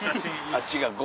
あっちが５。